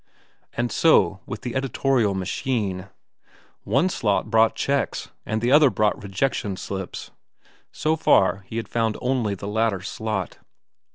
And so with the editorial machine. One slot brought checks and the other brought rejection slips. So far he had found only the latter slot.